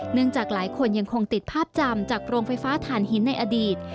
จากหลายคนยังคงติดภาพจำจากโรงไฟฟ้าฐานหินในอดีต